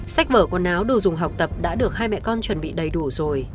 sách vở quần áo đồ dùng học tập đã được hai mẹ con chuẩn bị đầy đủ rồi